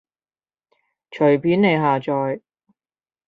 隨便你下載